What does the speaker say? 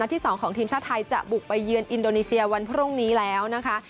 ที่๒ของทีมชาติไทยจะบุกไปเยือนอินโดนีเซียวันพรุ่งนี้แล้วนะคะ